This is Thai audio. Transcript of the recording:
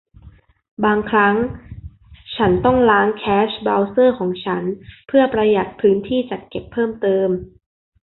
บางครั้งฉันต้องล้างแคชเบราว์เซอร์ของฉันเพื่อประหยัดพื้นที่จัดเก็บเพิ่มเติม